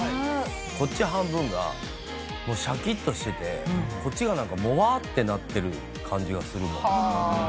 こっち半分がシャキッとしててこっちがなんかモワッてなってる感じがするの。